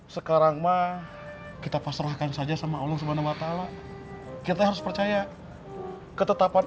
sekarang mah kita pasrahkan saja sama allah subhanahu wa ta'ala kita harus percaya ketetapan